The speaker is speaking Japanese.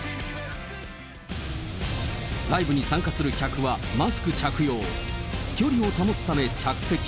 ライブに参加する客はマスク着用、距離を保つため着席。